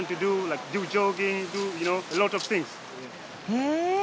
へえ。